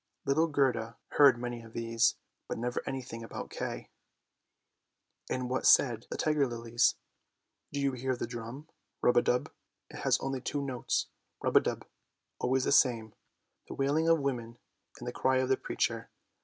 Little Gerda heard many of these, but never anything about Kay. And what said the Tiger lilies ? 196 ANDERSEN'S FAIRY TALES " Do you hear the drum? rub a dub, it has only two notes, rub a dub, always the same. The wailing of women and the cry of the preacher.